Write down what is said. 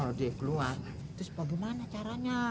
kalau dia keluar terus bagaimana caranya